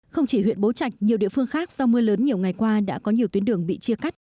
không chỉ huyện bố trạch nhiều địa phương khác do mưa lớn nhiều ngày qua đã có nhiều tuyến đường bị chia cắt